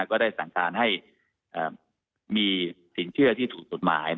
ก็ได้สั่งการให้มีสินเชื่อที่ถูกกฎหมาย